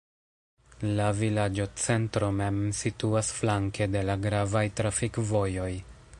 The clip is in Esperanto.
La vilaĝocentro mem situas flanke de la gravaj trafikvojoj.